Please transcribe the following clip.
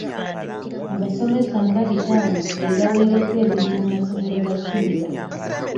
Abasomesa nga bitaano be baweereddwa emirimu mu masomero ga siniya.